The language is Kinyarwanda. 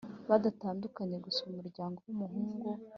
batandukanye gusa umuryango w’umuhungu